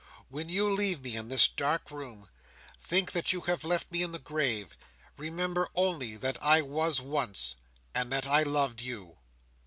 When you leave me in this dark room, think that you have left me in the grave. Remember only that I was once, and that I loved you!"